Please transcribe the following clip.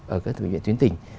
ở các bệnh viện tuyến tỉnh